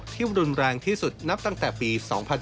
รุนแรงที่สุดนับตั้งแต่ปี๒๕๕๙